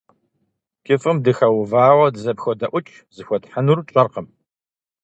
КӀыфӀым дыхэувауэ, дызэпходэӀукӀ – зыхуэтхьынур тщӀэркъым.